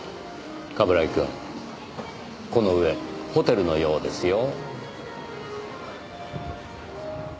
冠城くんこの上ホテルのようですよ。